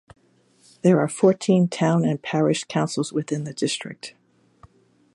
There are fourteen town and parish councils within the district.